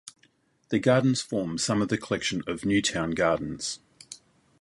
The gardens form some of the collection of New Town Gardens.